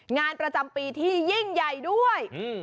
งานประจำปีที่ยิ่งใหญ่ด้วย